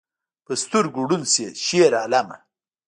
په سترګو ړوند شې شیرعالمه